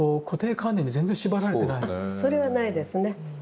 それはないですね。